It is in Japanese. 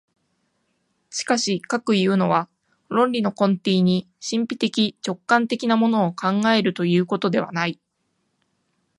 しかしかくいうのは、論理の根底に神秘的直観的なものを考えるということではない。